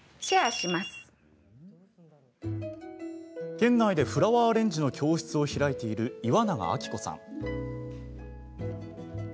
県内でフラワーアレンジの教室を開いている、岩永昭子さん。